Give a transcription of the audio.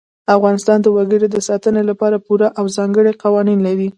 افغانستان د وګړي د ساتنې لپاره پوره او ځانګړي قوانین لري.